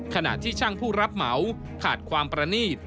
ขณะที่ช่างผู้รับเหมาขาดความประนีต